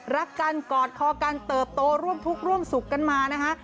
รักกันกอดคอกันเติบโตร่วมทุกข์ร่วมสุขกันมานะคะ